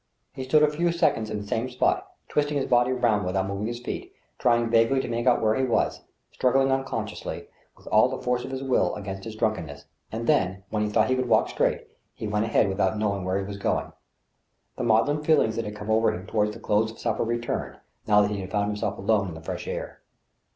He stood a few seconds in the same spot, twisting his body round without moving his feet, trying vaguely to make out where he was, struggling unconsciously, with all the force of his will, against his drunkenness, and then, when he thought he could walk straight, he went ahead without knowing where he was going. The maudlin feelings that had come over him toward the close of supper returned, now that he found himself alone in the fresh air.